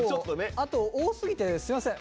あと多すぎてすいません。